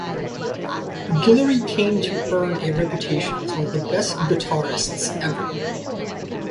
Guillory came to earn a reputation as one of the best guitarists ever.